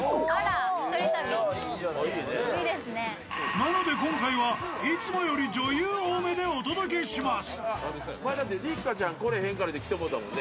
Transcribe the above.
なので、今回は、いつもより女優多めでお届けします。